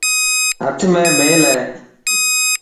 هٿ ۾ ميل هي.